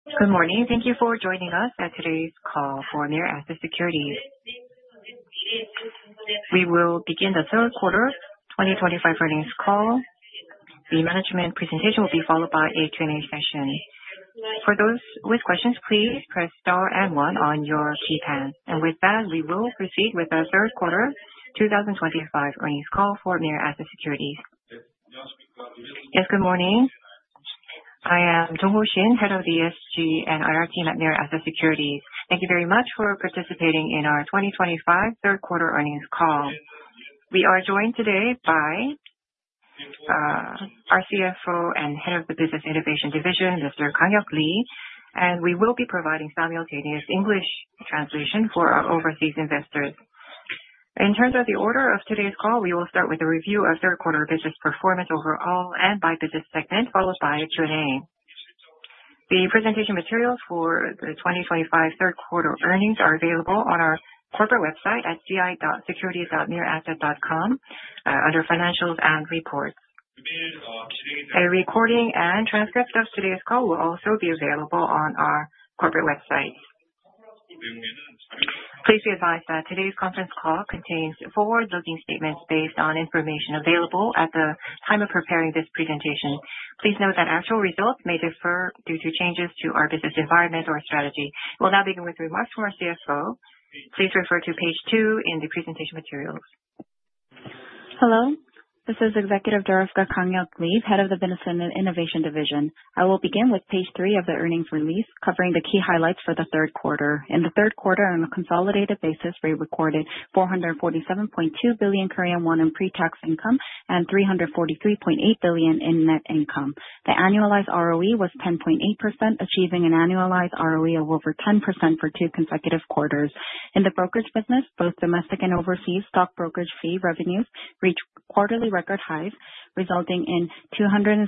Good morning. Thank you for joining us at today's call for Mirae Asset Securities. We will begin the third quarter 2025 earnings call. The management presentation will be followed by a Q&A session. For those with questions, please press star and one on your keypad. With that, we will proceed with the third quarter 2025 earnings call for Mirae Asset Securities. Yes, good morning. I am Jung Woo Shin, head of ESG and IR team at Mirae Asset Securities. Thank you very much for participating in our 2025 third quarter earnings call. We are joined today by our CFO and head of the Business Innovation Division, Mr. Kang Hyuk Lee, and we will be providing simultaneous English translation for our overseas investors. In terms of the order of today's call, we will start with a review of third quarter business performance overall and by business segment, followed by a Q&A. The presentation materials for the 2025 third quarter earnings are available on our corporate website at securities.miraeasset.com under Financials and Reports. A recording and transcript of today's call will also be available on our corporate website. Please be advised that today's conference call contains forward-looking statements based on information available at the time of preparing this presentation. Please note that actual results may differ due to changes to our business environment or strategy. We will now begin with remarks from our CFO. Please refer to page two in the presentation materials. Hello. record highs, resulting in 263.7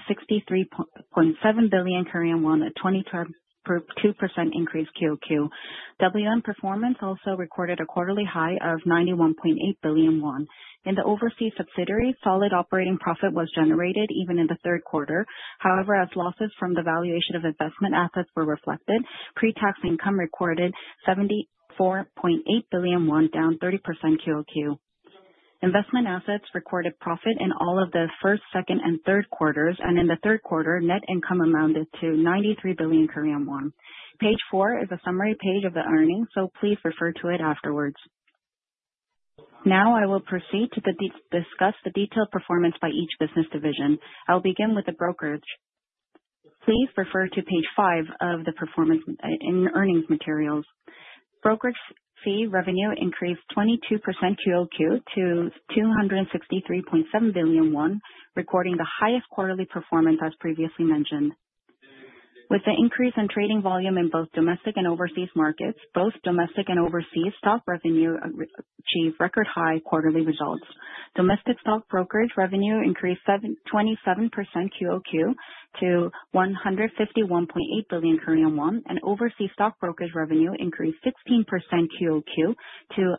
billion Korean won, a 22% increase QOQ. WM performance also recorded a quarterly high of 91.8 billion won. In the overseas subsidiary, solid operating profit was generated even in the third quarter. However, as losses from the valuation of investment assets were reflected, pre-tax income recorded 74.8 billion won, down 30% QOQ. Investment assets recorded profit in all of the first, second and third quarters, and in the third quarter, net income amounted to 93 billion Korean won. Page four is a summary page of the earnings, so please refer to it afterwards. Now I will proceed to discuss the detailed performance by each business division. I will begin with the brokerage. Please refer to page five of the performance in earnings materials. Brokerage fee revenue increased 22% QOQ to 263.7 billion won, recording the highest quarterly performance as previously mentioned. With the increase in trading volume in both domestic and overseas markets, both domestic and overseas stock revenue achieved record high quarterly results. Domestic stock brokerage revenue increased 27% QOQ to 151.8 billion Korean won, and overseas stock brokerage revenue increased 16% QOQ to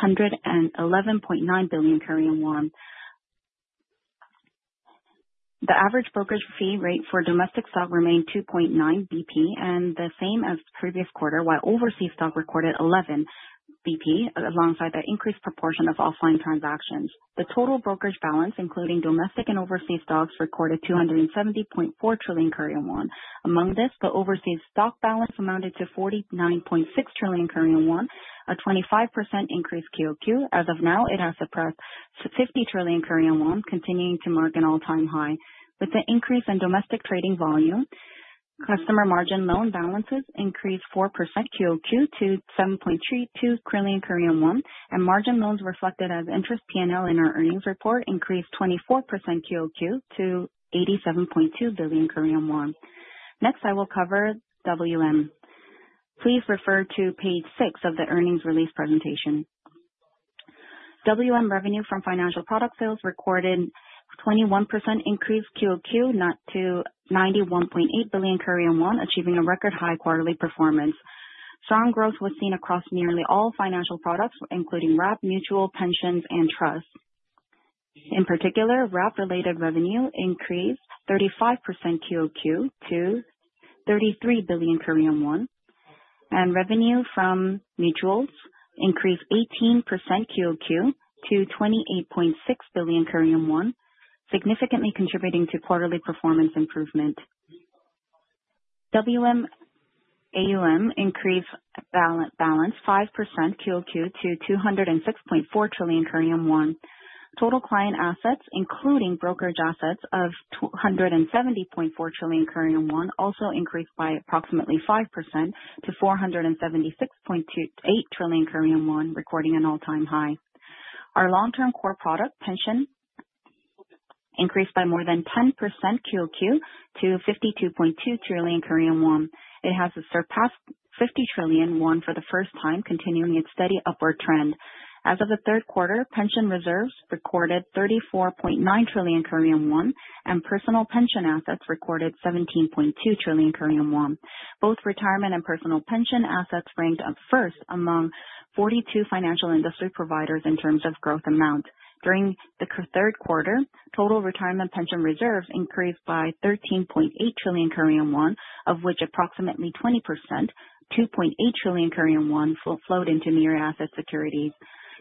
111.9 billion Korean won. The average brokerage fee rate for domestic stock remained 2.9 BP, the same as the previous quarter, while overseas stock recorded 11 BP, alongside the increased proportion of offline transactions. The total brokerage balance, including domestic and overseas stocks, recorded 270.4 trillion Korean won. Among this, the overseas stock balance amounted to 49.6 trillion Korean won, a 25% increase QOQ. As of now, it has surpassed 50 trillion Korean won, continuing to mark an all-time high. With the increase in domestic trading volume, customer margin loan balances increased 4% QOQ to 7.2 trillion Korean won, and margin loans reflected as interest P&L in our earnings report increased 24% QOQ to 87.2 billion Korean won. Next, I will cover WM. Please refer to page six of the earnings release presentation. WM revenue from financial product sales recorded 21% increase QOQ to 91.8 billion Korean won, achieving a record high quarterly performance. Strong growth was seen across nearly all financial products, including wrap, mutual, pensions and trusts. In particular, wrap-related revenue increased 35% QOQ to 33 billion Korean won, and revenue from mutuals increased 18% QOQ to 28.6 billion, significantly contributing to quarterly performance improvement. WM AUM increased balance 5% QOQ to 206.4 trillion Korean won. Total client assets, including brokerage assets of 270.4 trillion Korean won, also increased by approximately 5% to 476.8 trillion Korean won, recording an all-time high. Our long-term core product, pension, increased by more than 10% QOQ to 52.2 trillion Korean won. It has surpassed 50 trillion won for the first time, continuing its steady upward trend. As of the third quarter, pension reserves recorded 34.9 trillion Korean won and personal pension assets recorded 17.2 trillion Korean won. Both retirement and personal pension assets ranked at first among 42 financial industry providers in terms of growth amount. During the third quarter, total retirement pension reserves increased by 13.8 trillion Korean won, of which approximately 20%, 2.8 trillion Korean won, flowed into Mirae Asset Securities.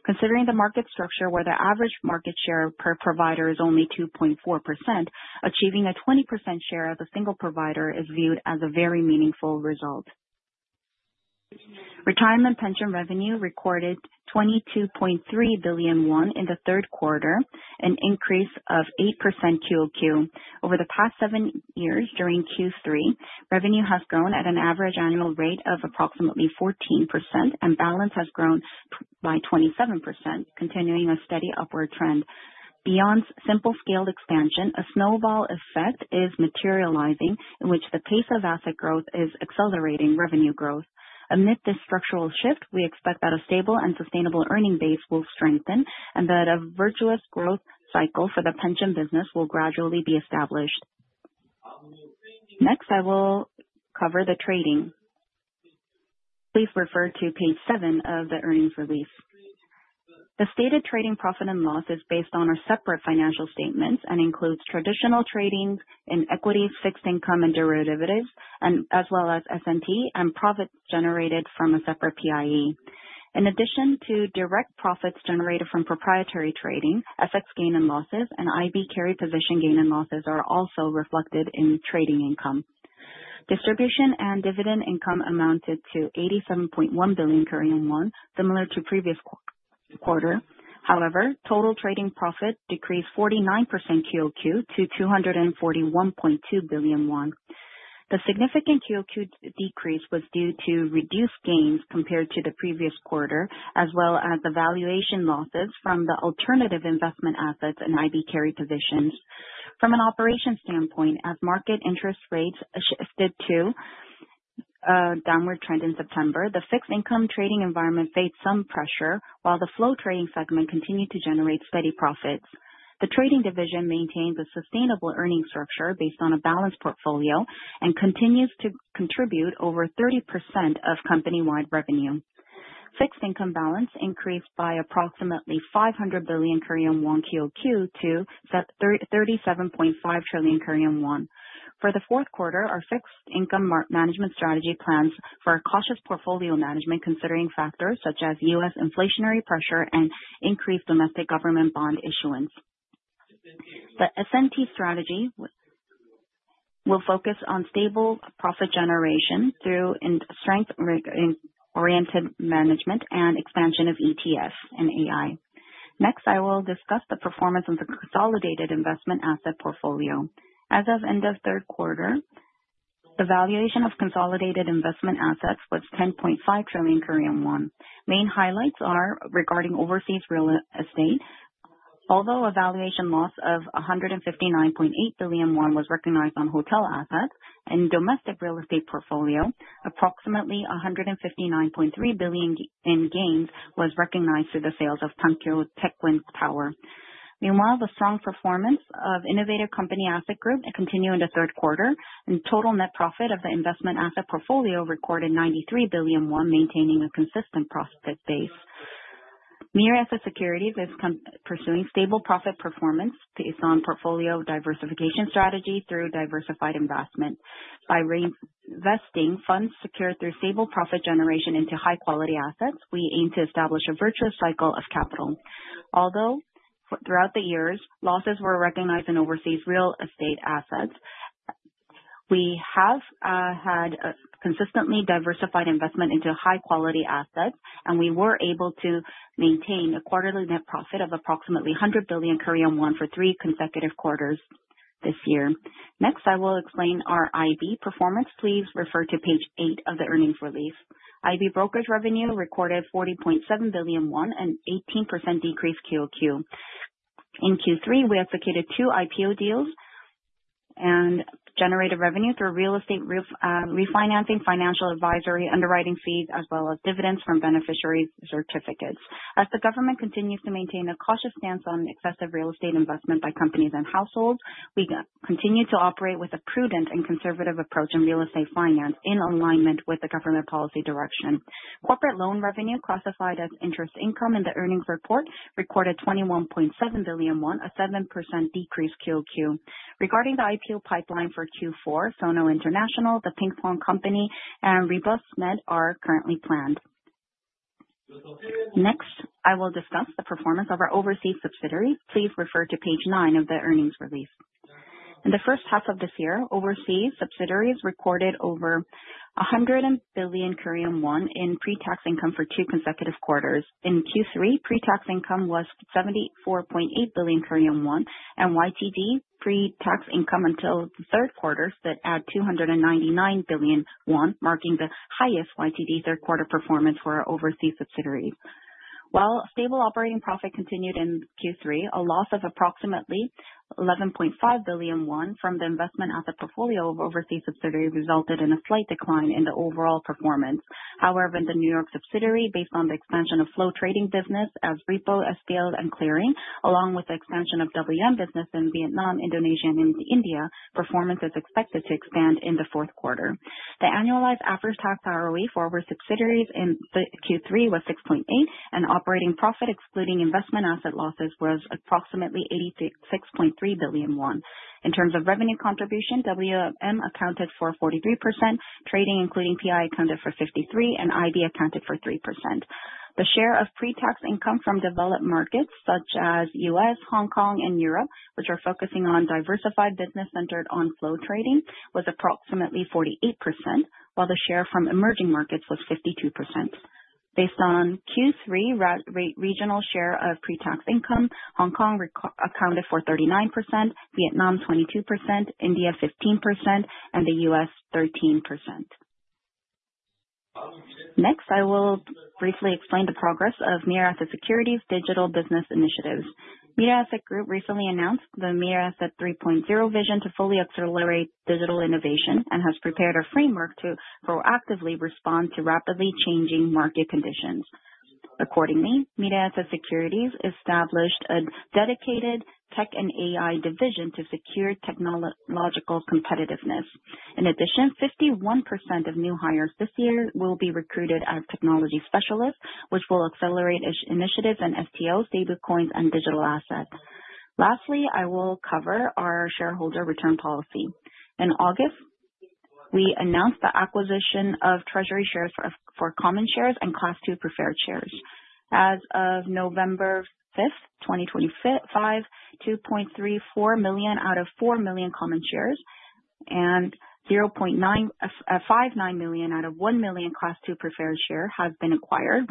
Considering the market structure where the average market share per provider is only 2.4%, achieving a 20% share as a single provider is viewed as a very meaningful result. Retirement pension revenue recorded 22.3 billion won in the third quarter, an increase of 8% QOQ. Over the past seven years during Q3, revenue has grown at an average annual rate of approximately 14%, and balance has grown by 27%, continuing a steady upward trend. Beyond simple scaled expansion, a snowball effect is materializing, in which the pace of asset growth is accelerating revenue growth. Amid this structural shift, we expect that a stable and sustainable earning base will strengthen, and that a virtuous growth cycle for the pension business will gradually be established. Next, I will cover the trading. Please refer to page seven of the earnings release. The stated trading profit and loss is based on our separate financial statements and includes traditional trading in equity, fixed income, and derivatives, as well as S&P and profits generated from a separate PI. In addition to direct profits generated from proprietary trading, FX gain and losses, and IB carry position gain and losses are also reflected in trading income. Distribution and dividend income amounted to 87.1 billion Korean won, similar to previous quarter. Total trading profit decreased 49% QOQ to 241.2 billion won. The significant QOQ decrease was due to reduced gains compared to the previous quarter, as well as the valuation losses from the alternative investment assets and IB carry positions. From an operation standpoint, as market interest rates shifted to a downward trend in September, the fixed income trading environment faced some pressure while the flow trading segment continued to generate steady profits. The trading division maintains a sustainable earning structure based on a balanced portfolio and continues to contribute over 30% of company-wide revenue. Fixed income balance increased by approximately 500 billion Korean won QOQ to 37.5 trillion Korean won. For the fourth quarter, our fixed income management strategy plans for a cautious portfolio management considering factors such as U.S. inflationary pressure and increased domestic government bond issuance. The S&T strategy will focus on stable profit generation through strength-oriented management and expansion of ETFs and AI. Next, I will discuss the performance of the consolidated investment asset portfolio. As of end of third quarter, the valuation of consolidated investment assets was 10.5 trillion Korean won. Main highlights are regarding overseas real estate. Although a valuation loss of 159.8 billion won was recognized on hotel assets and domestic real estate portfolio, approximately 159.3 billion in gains was recognized through the sales of Pyeongtaek Wind Power. Meanwhile, the strong performance of innovative company asset group continued in the third quarter, and total net profit of the investment asset portfolio recorded 93 billion won, maintaining a consistent profit base. Mirae Asset Securities is pursuing stable profit performance based on portfolio diversification strategy through diversified investment. By reinvesting funds secured through stable profit generation into high-quality assets, we aim to establish a virtuous cycle of capital. Although throughout the years, losses were recognized in overseas real estate assets, we have had a consistently diversified investment into high-quality assets, and we were able to maintain a quarterly net profit of approximately 100 billion Korean won for three consecutive quarters this year. Next, I will explain our IB performance. Please refer to page eight of the earnings release. IB brokerage revenue recorded 40.7 billion won, an 18% decrease QOQ. In Q3, we executed two IPO deals and generated revenue through real estate refinancing, financial advisory, underwriting fees, as well as dividends from beneficiary certificates. As the government continues to maintain a cautious stance on excessive real estate investment by companies and households, we continue to operate with a prudent and conservative approach in real estate finance in alignment with the government policy direction. Corporate loan revenue classified as interest income in the earnings report recorded 21.7 billion won, a 7% decrease QOQ. Regarding the IPO pipeline for Q4, Sono International, The Pinkfong Company, and Rebusmed are currently planned. Next, I will discuss the performance of our overseas subsidiaries. Please refer to page nine of the earnings release. In the first half of this year, overseas subsidiaries recorded over 100 billion Korean won in pre-tax income for two consecutive quarters. In Q3, pre-tax income was 74.8 billion Korean won and YTD pre-tax income until the third quarter stood at 299 billion won, marking the highest YTD third quarter performance for our overseas subsidiaries. While stable operating profit continued in Q3, a loss of approximately 11.5 billion won from the investment asset portfolio of overseas subsidiaries resulted in a slight decline in the overall performance. However, in the New York subsidiary, based on the expansion of flow trading business as repo, SBL, and clearing, along with the expansion of WM business in Vietnam, Indonesia, and India, performance is expected to expand in the fourth quarter. The annualized after-tax ROE for our subsidiaries in Q3 was 6.8%, and operating profit excluding investment asset losses was approximately 86.3 billion won. In terms of revenue contribution, WM accounted for 43%, trading, including PI, accounted for 53%, and IB accounted for 3%. The share of pre-tax income from developed markets such as U.S., Hong Kong, and Europe, which are focusing on diversified business centered on flow trading, was approximately 48%, while the share from emerging markets was 52%. Based on Q3 regional share of pre-tax income, Hong Kong accounted for 39%, Vietnam 22%, India 15%, and the U.S. 13%. Next, I will briefly explain the progress of Mirae Asset Securities' digital business initiatives. Mirae Asset Group recently announced the Mirae Asset 3.0 vision to fully accelerate digital innovation and has prepared a framework to proactively respond to rapidly changing market conditions. Accordingly, Mirae Asset Securities established a dedicated tech and AI division to secure technological competitiveness. In addition, 51% of new hires this year will be recruited as technology specialists, which will accelerate initiatives in FTO, stablecoins, and digital assets. Lastly, I will cover our shareholder return policy. In August, we announced the acquisition of treasury shares for common shares and Class 2 preferred shares. As of November 5th, 2025, 2.34 million out of 4 million common shares and 0.59 million out of 1 million Class 2 preferred shares have been acquired,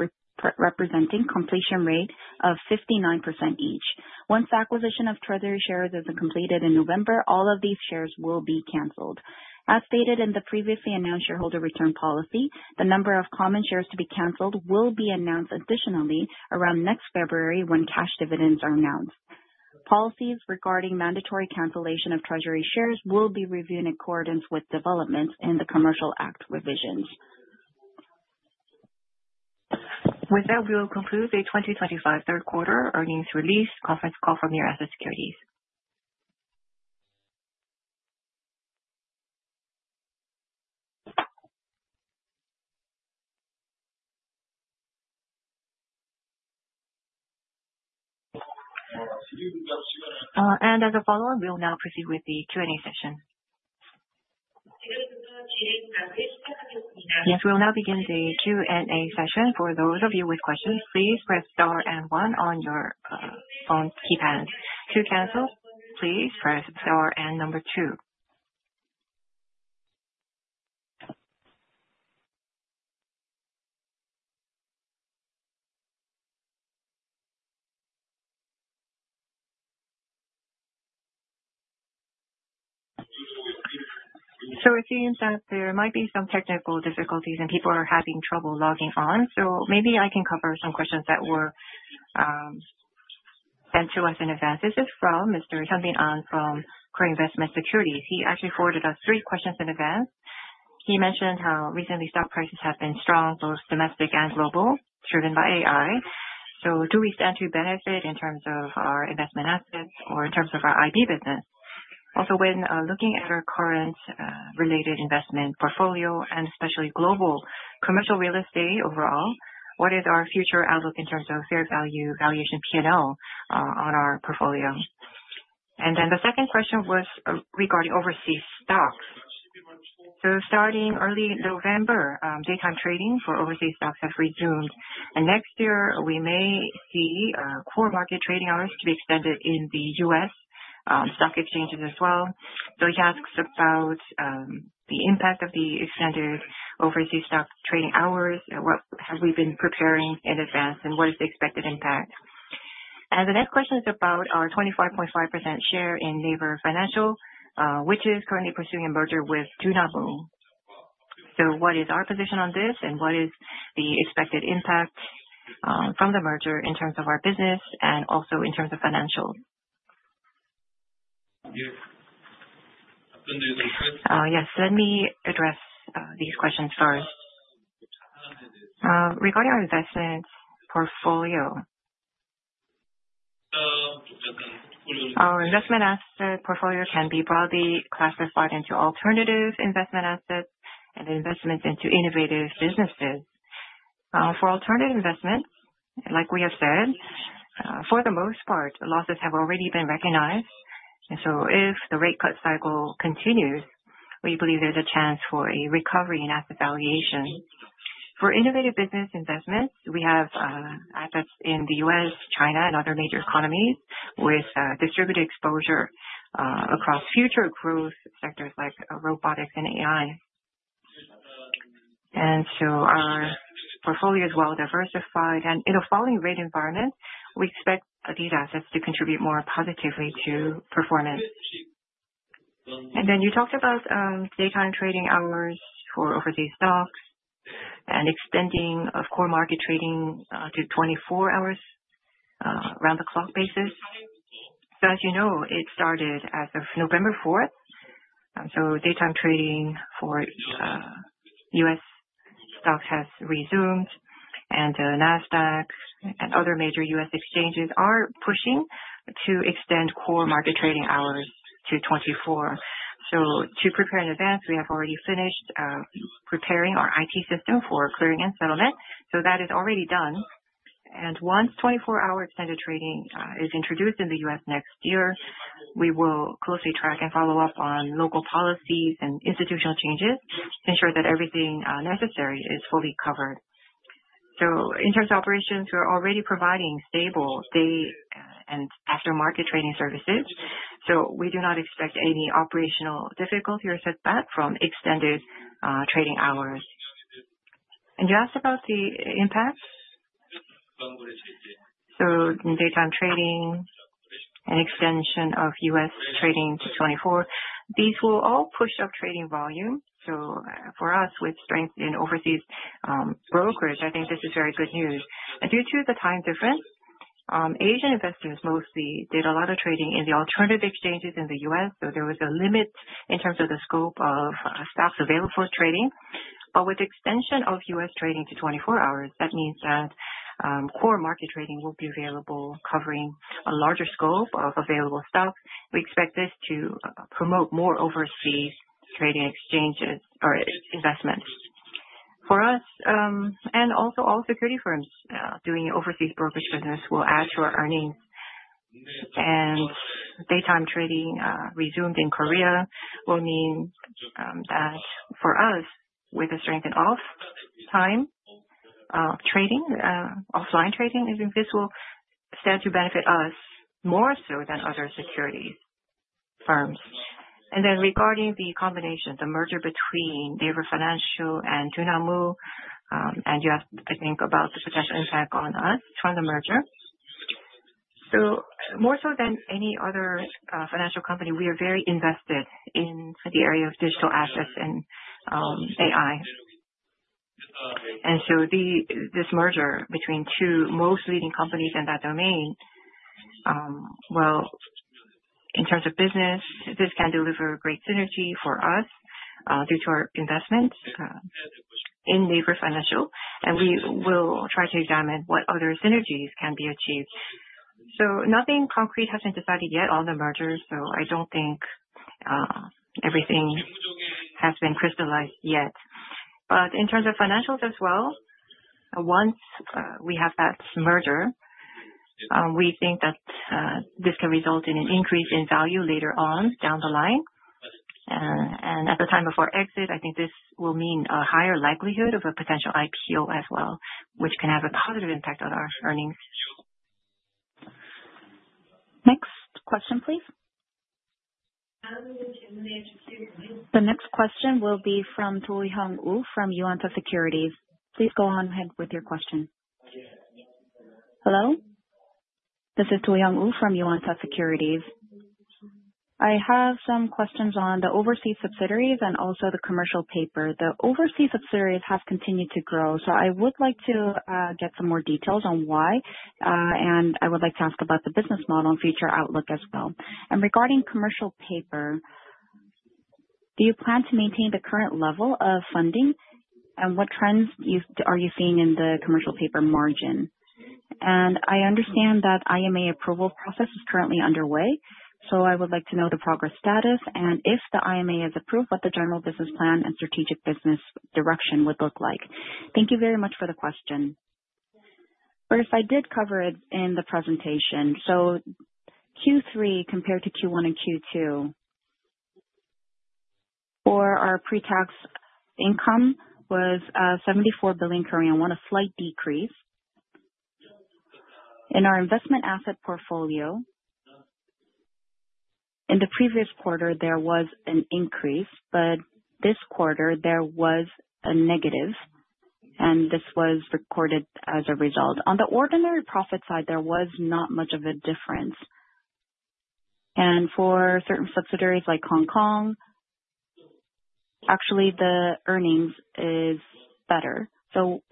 representing completion rate of 59% each. Once acquisition of treasury shares has been completed in November, all of these shares will be canceled. As stated in the previously announced shareholder return policy, the number of common shares to be canceled will be announced additionally around next February when cash dividends are announced. Policies regarding mandatory cancellation of treasury shares will be reviewed in accordance with developments in the Commercial Act revisions. With that, we will conclude the 2025 third quarter earnings release conference call from Mirae Asset Securities. As a follow-up, we will now proceed with the Q&A session. Yes, we will now begin the Q&A session. For those of you with questions, please press star and one on your phone keypad. To cancel, please press star and number two. It seems that there might be some technical difficulties and people are having trouble logging on, maybe I can cover some questions that were sent to us in advance. This is from Mr. Hyeonbin Ahn from Core Investment Securities. He actually forwarded us three questions in advance. He mentioned how recently stock prices have been strong, both domestic and global, driven by AI. Do we stand to benefit in terms of our investment assets or in terms of our IB business? Also, when looking at our current related investment portfolio and especially global commercial real estate overall, what is our future outlook in terms of fair value valuation P&L on our portfolio? The second question was regarding overseas stocks. Starting early November, daytime trading for overseas stocks have resumed, and next year we may see core market trading hours to be extended in the U.S. stock exchanges as well. He asks about the impact of the extended overseas stock trading hours, and what have we been preparing in advance, and what is the expected impact. The next question is about our 25.5% share in Naver Financial, which is currently pursuing a merger with Kakao. What is our position on this, and what is the expected impact from the merger in terms of our business and also in terms of financials? Yes. Let me address these questions first. Regarding our investments portfolio. Our investment asset portfolio can be broadly classified into alternative investment assets and investments into innovative businesses. For alternative investments, like we have said, for the most part, losses have already been recognized, if the rate cut cycle continues, we believe there's a chance for a recovery in asset valuation. For innovative business investments, we have assets in the U.S., China, and other major economies with distributed exposure across future growth sectors like robotics and AI. Our portfolio is well-diversified, and in a falling rate environment, we expect these assets to contribute more positively to performance. You talked about daytime trading hours for overseas stocks and extending of core market trading to 24 hours around-the-clock basis. As you know, it started as of November 4th, daytime trading for U.S. stocks has resumed, and the Nasdaq and other major U.S. exchanges are pushing to extend core market trading hours to 24. To prepare in advance, we have already finished preparing our IT system for clearing and settlement. That is already done. Once 24-hour extended trading is introduced in the U.S. next year. We will closely track and follow up on local policies and institutional changes to ensure that everything necessary is fully covered. In terms of operations, we are already providing stable day and after-market trading services. We do not expect any operational difficulty or setback from extended trading hours. You asked about the impacts? In daytime trading, an extension of U.S. trading to 24, these will all push up trading volume. For us, with strength in overseas brokerage, I think this is very good news. Due to the time difference, Asian investors mostly did a lot of trading in the alternative exchanges in the U.S., there was a limit in terms of the scope of stocks available for trading. With the extension of U.S. trading to 24 hours, that means that core market trading will be available, covering a larger scope of available stocks. We expect this to promote more overseas trading exchanges or investments. For us, and also all security firms doing overseas brokerage business, will add to our earnings. Daytime trading resumed in Korea will mean that for us, with the strength in off-time trading, offline trading, I think this will stand to benefit us more so than other security firms. Regarding the combination, the merger between Naver Financial and Dunamu, you asked, I think, about the potential impact on us from the merger. More so than any other financial company, we are very invested in the area of digital assets and AI. This merger between two most leading companies in that domain, well, in terms of business, this can deliver great synergy for us, due to our investment in Naver Financial, we will try to examine what other synergies can be achieved. Nothing concrete has been decided yet on the merger, I don't think everything has been crystallized yet. In terms of financials as well, once we have that merger, we think that this can result in an increase in value later on down the line. At the time before exit, I think this will mean a higher likelihood of a potential IPO as well, which can have a positive impact on our earnings. Next question, please. The next question will be from Doyoung Oh from Yuanta Securities. Please go on ahead with your question. Hello, this is Doyoung Oh from Yuanta Securities. I have some questions on the overseas subsidiaries and also the commercial paper. The overseas subsidiaries have continued to grow, so I would like to get some more details on why. I would like to ask about the business model and future outlook as well. Regarding commercial paper, do you plan to maintain the current level of funding? What trends are you seeing in the commercial paper margin? I understand that IMA approval process is currently underway, so I would like to know the progress status, and if the IMA is approved, what the general business plan and strategic business direction would look like. Thank you very much for the question. First, I did cover it in the presentation. Q3 compared to Q1 and Q2, for our pre-tax income was 74 billion Korean won, a slight decrease. In our investment asset portfolio, in the previous quarter, there was an increase, but this quarter there was a negative, and this was recorded as a result. On the ordinary profit side, there was not much of a difference. For certain subsidiaries like Hong Kong, actually the earnings is better.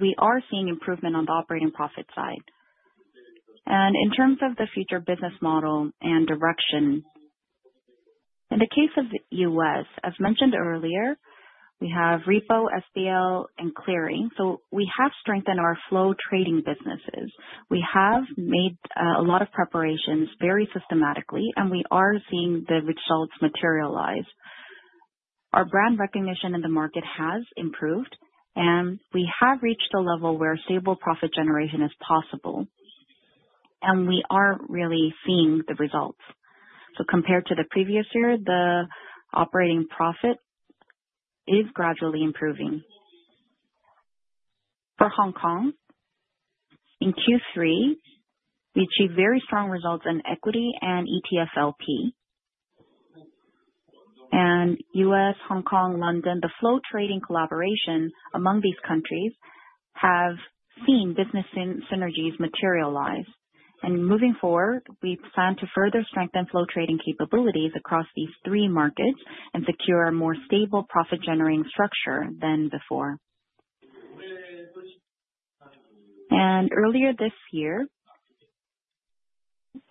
We are seeing improvement on the operating profit side. In terms of the future business model and direction, in the case of U.S., as mentioned earlier, we have repo, SBL, and clearing. We have strengthened our flow trading businesses. We have made a lot of preparations very systematically, and we are seeing the results materialize. Our brand recognition in the market has improved. We have reached a level where stable profit generation is possible. We are really seeing the results. Compared to the previous year, the operating profit is gradually improving. For Hong Kong, in Q3, we achieved very strong results in equity and ETF LP. U.S., Hong Kong, London, the flow trading collaboration among these countries have seen business synergies materialize. Moving forward, we plan to further strengthen flow trading capabilities across these three markets and secure a more stable profit-generating structure than before. Earlier this year,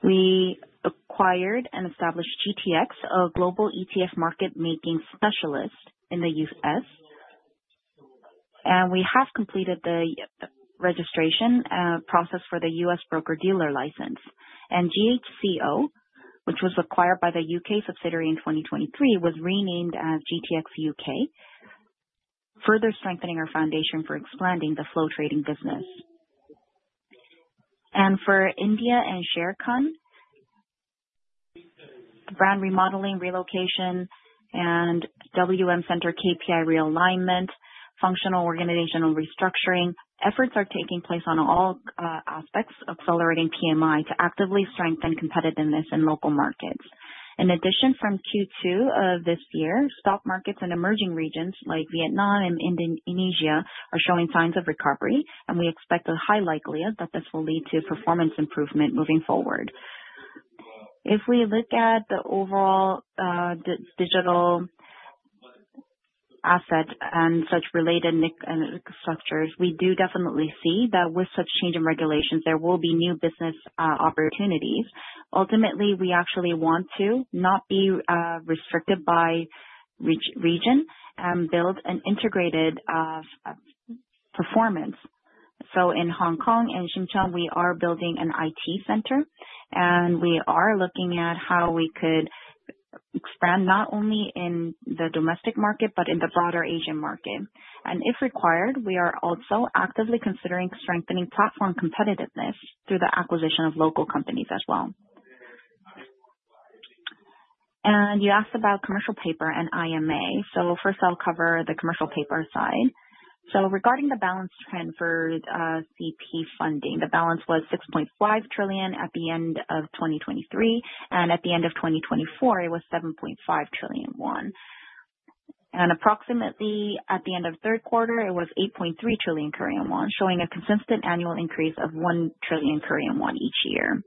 we acquired and established GTX, a global ETF market-making specialist in the U.S., and we have completed the registration process for the U.S. broker-dealer license. GHCO, which was acquired by the U.K. subsidiary in 2023, was renamed as GTX UK, further strengthening our foundation for expanding the flow trading business. For India and Sharekhan, brand remodeling, relocation, WM center KPI realignment, functional organizational restructuring, efforts are taking place on all aspects, accelerating PMI to actively strengthen competitiveness in local markets. In addition, from Q2 of this year, stock markets in emerging regions like Vietnam and Indonesia are showing signs of recovery, and we expect a high likelihood that this will lead to performance improvement moving forward. If we look at the overall digital asset and such related infrastructures, we do definitely see that with such change in regulations, there will be new business opportunities. Ultimately, we actually want to not be restricted by region and build an integrated performance. In Hong Kong and Shenzhen, we are building an IT center, and we are looking at how we could expand not only in the domestic market but in the broader Asian market. If required, we are also actively considering strengthening platform competitiveness through the acquisition of local companies as well. You asked about commercial paper and IMA. First I'll cover the commercial paper side. Regarding the balance transferred CP funding, the balance was 6.5 trillion at the end of 2023, and at the end of 2024, it was 7.5 trillion won. Approximately at the end of the third quarter, it was 8.3 trillion Korean won, showing a consistent annual increase of 1 trillion Korean won each year.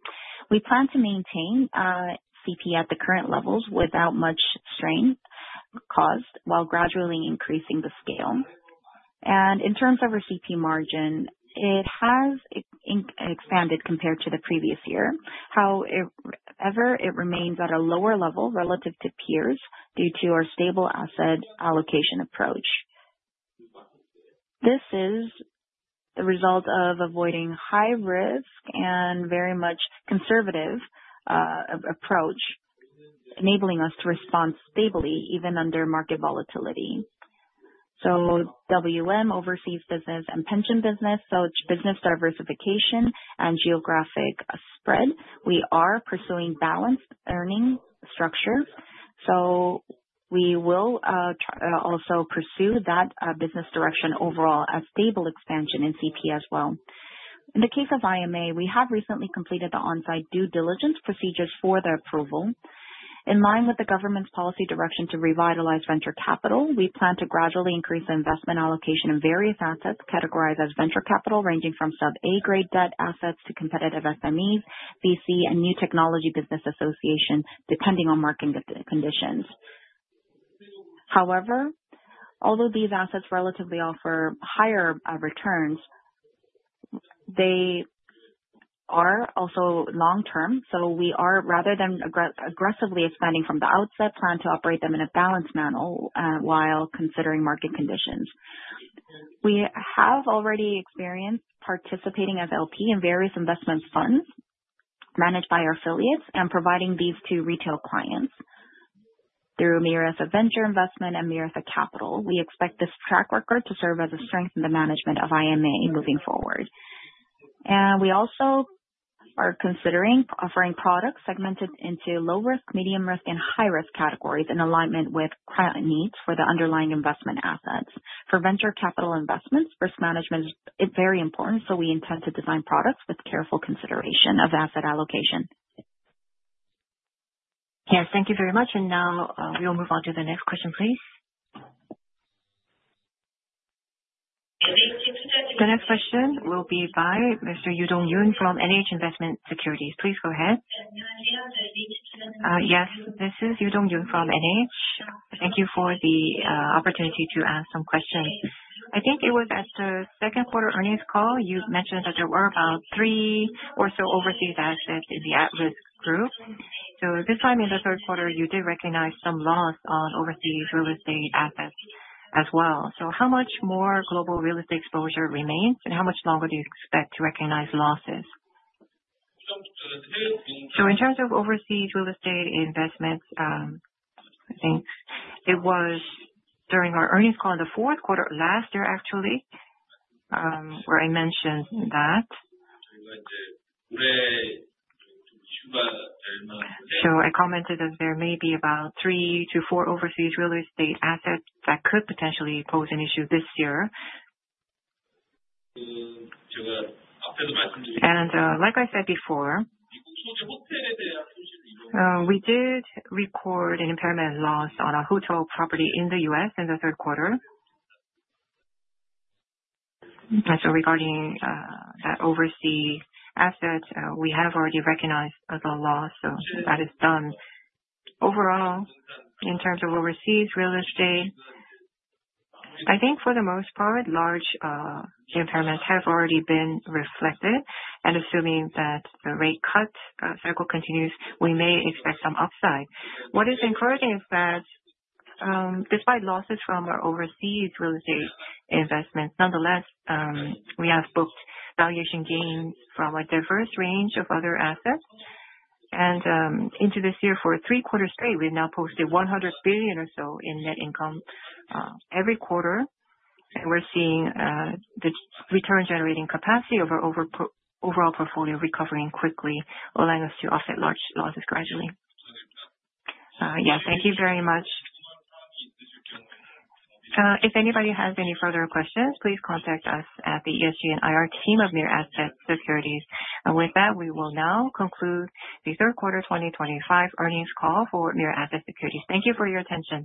We plan to maintain CP at the current levels without much strain caused, while gradually increasing the scale. In terms of our CP margin, it has expanded compared to the previous year. However, it remains at a lower level relative to peers due to our stable asset allocation approach. This is the result of avoiding high risk and very much conservative approach, enabling us to respond stably even under market volatility. WM overseas business and pension business, it's business diversification and geographic spread. We are pursuing balanced earning structure. We will also pursue that business direction overall, a stable expansion in CP as well. In the case of IMA, we have recently completed the onsite due diligence procedures for the approval. In line with the government's policy direction to revitalize venture capital, we plan to gradually increase the investment allocation in various assets categorized as venture capital, ranging from sub-A grade debt assets to competitive SMEs, VC, and new technology business association, depending on market conditions. However, although these assets relatively offer higher returns, they are also long-term. Rather than aggressively expanding from the outset, we plan to operate them in a balanced manner while considering market conditions. We have already experienced participating as LP in various investment funds managed by our affiliates and providing these to retail clients through Mirae Asset Venture Investment and Mirae Asset Capital. We expect this track record to serve as a strength in the management of IMA moving forward. We also are considering offering products segmented into low risk, medium risk, and high risk categories in alignment with client needs for the underlying investment assets. For venture capital investments, risk management is very important, so we intend to design products with careful consideration of asset allocation. Yes, thank you very much. Now, we will move on to the next question, please. The next question will be by Mr. Yudong Yoon from NH Investment Securities. Please go ahead. Yes, this is Yudong Yoon from NH. Thank you for the opportunity to ask some questions. I think it was at the second quarter earnings call, you mentioned that there were about three or so overseas assets in the at-risk group. This time in the third quarter, you did recognize some loss on overseas real estate assets as well. How much more global real estate exposure remains, and how much longer do you expect to recognize losses? In terms of overseas real estate investments, I think it was during our earnings call in the fourth quarter last year, actually, where I mentioned that. I commented that there may be about three to four overseas real estate assets that could potentially pose an issue this year. Like I said before, we did record an impairment loss on a hotel property in the U.S. in the third quarter. Regarding that overseas asset, we have already recognized the loss, so that is done. Overall, in terms of overseas real estate, I think for the most part, large impairments have already been reflected. Assuming that the rate cut cycle continues, we may expect some upside. What is encouraging is that despite losses from our overseas real estate investments, nonetheless, we have booked valuation gains from a diverse range of other assets. Into this year, for three quarters straight, we've now posted 100 billion or so in net income every quarter. We're seeing the return-generating capacity of our overall portfolio recovering quickly, allowing us to offset large losses gradually. Yeah. Thank you very much. If anybody has any further questions, please contact us at the ESG and IR team of Mirae Asset Securities. With that, we will now conclude the third quarter 2025 earnings call for Mirae Asset Securities. Thank you for your attention.